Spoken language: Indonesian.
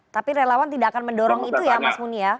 tapi relawan tidak akan mendorong itu ya mas muni ya